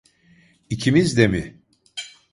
İkimiz de mi?